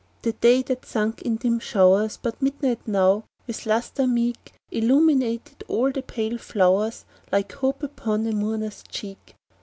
The day had sunk in dim showers, But midnight now, with lustre meet. Illumined all the pale flowers, Like hope upon a mourner's cheek.